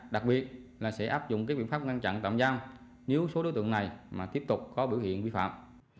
đặc biệt là sẽ áp dụng cái biện pháp ngăn chặn tạm giam nếu số đối tượng này mà tiếp tục có biểu hiện vi phạm